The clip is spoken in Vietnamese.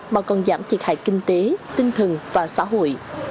mà còn giảm thiệt hại kinh tế tinh thần và xã hội